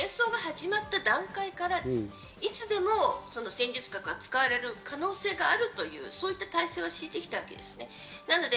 ＮＡＴＯ諸国は戦争が始まった段階からいつでも戦術核が使われる可能性があるというそういった態勢を敷いてきたわけですね。